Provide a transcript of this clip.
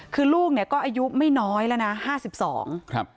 คือลูกเนี่ยก็อายุไม่น้อยแล้วนะห้าสิบสองครับ